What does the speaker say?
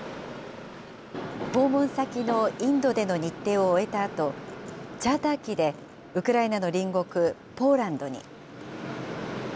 訪問先のインドでの日程を終えたあと、チャーター機でウクライナの隣国ポーランドに。